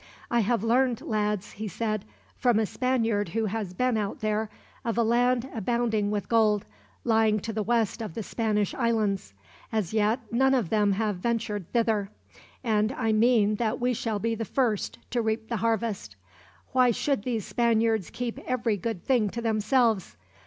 "I have learned, lads," he said, "from a Spaniard who has been out there, of a land abounding with gold, lying to the west of the Spanish Islands. As yet, none of them have ventured thither; and I mean that we shall be the first to reap the harvest. Why should these Spaniards keep every good thing to themselves?